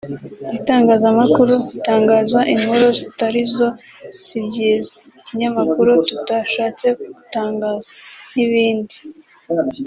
ibitangazamakuru bitangaza inkuru zitarizo si byiza (ikinyamakuru tutashatse gutangaza) n'ibindi